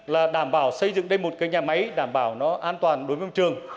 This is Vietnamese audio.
là đảm bảo xây dựng đây một cái nhà máy đảm bảo nó an toàn đối với môi trường